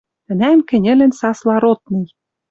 Тӹнӓм кӹньӹлӹн сасла ротный: